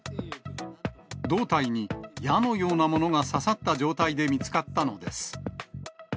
胴体に矢のようなものが刺さった状態で見つかったのです。